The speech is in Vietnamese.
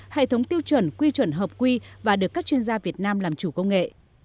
hệ thống tiêu chuẩn quy chuẩn hợp quy và được các chuyên gia việt nam làm chủ công nghệ